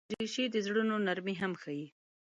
دریشي د زړونو نرمي هم ښيي.